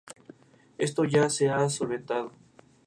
Esto ya se ha solventado.